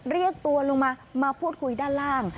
เรียกตัวลงมามาพูดคุยด้านล่าง